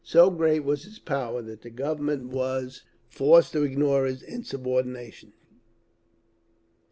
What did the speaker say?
So great was his power that the Government was forced to ignore his insubordination.